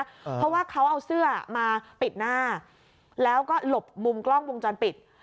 เพราะว่าเขาเอาเสื้อมาปิดหน้าแล้วก็หลบมุมกล้องวงจรปิด